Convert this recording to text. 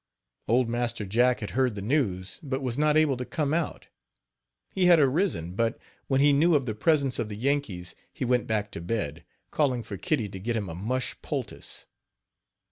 Old Master Jack had heard the news, but was not able to come out. He had arisen, but, when he knew of the presence of the Yankees, he went back to bed, calling for Kitty to get him a mush poultice.